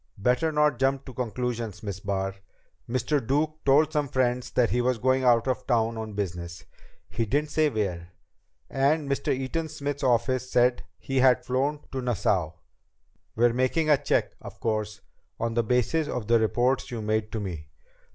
"Better not jump to conclusions, Miss Barr. Mr. Duke told some friends that he was going out of town on business. He didn't say where. And Mr. Eaton Smith's office said that he had flown to Nassau. We're making a check, of course, on the basis of the reports you made to me.